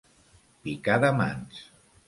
Picar de mans.